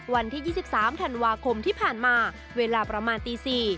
วันที่๒๓ธันวาคมที่ผ่านมาเวลาประมาณตี๔